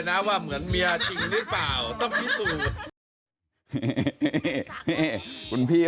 ดูท่าทางฝ่ายภรรยาหลวงประธานบริษัทจะมีความสุขที่สุดเลยนะเนี่ย